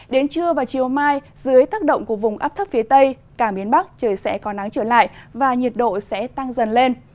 đến trưa và chiều mai dưới tác động của vùng áp thấp phía tây cả miền bắc trời sẽ có nắng trở lại và nhiệt độ sẽ tăng dần lên